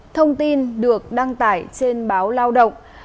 thông tin được đăng tải trên báo lao động